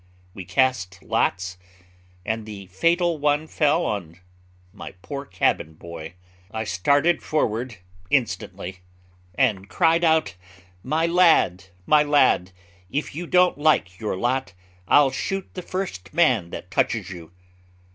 We cast lots, and the fatal one fell on my poor cabin boy. I started forward instantly, and cried out, "My lad, my lad, if you don't like your lot, I'll shoot the first man that touches you."